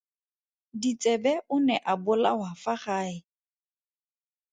Ditsebe o ne a bolawa fa gae.